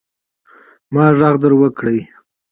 ما ږغ در وکړئ.